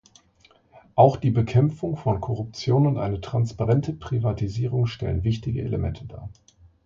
Auch die Bekämpfung von Korruption und eine transparente Privatisierung stellen wichtige Elemente dar.